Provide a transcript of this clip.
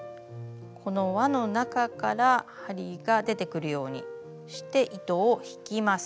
この輪の中から針が出てくるようにして糸を引きます。